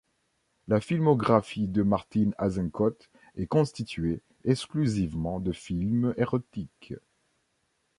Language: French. La filmographie de Martine Azencot est constituée exclusivement de films érotiques.